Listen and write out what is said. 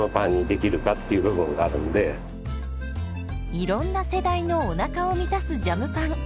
いろんな世代のおなかを満たすジャムパン。